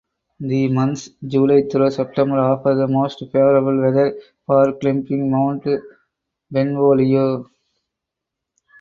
The months July through September offer the most favorable weather for climbing Mount Benvolio.